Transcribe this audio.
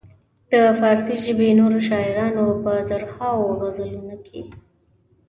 د فارسي ژبې نورو شاعرانو په زرهاوو غزلونو کې.